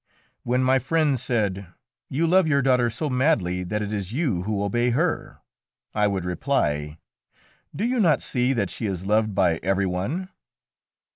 When my friends said, "You love your daughter so madly that it is you who obey her," I would reply, "Do you not see that she is loved by every one?"